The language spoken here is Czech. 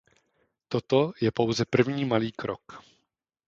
Toto je pouze první malý krok.